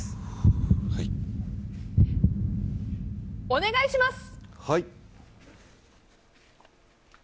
お願いします。